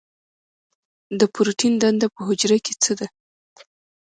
د پروټین دنده په حجره کې څه ده؟